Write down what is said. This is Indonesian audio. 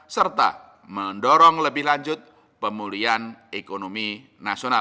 serta mendorong lebih lanjut pemulihan ekonomi nasional